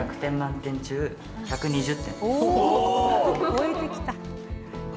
お超えてきた！